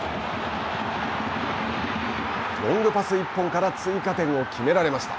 ロングパス１本から追加点を決められました。